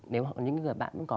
nếu những bạn cũng có